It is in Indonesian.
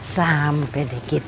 sampai deh kita